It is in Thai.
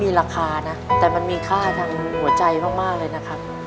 มีราคานะแต่มันมีค่าทั้งหัวใจมากค่ะ